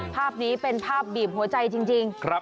ภาพนี้เป็นภาพบีบหัวใจจริง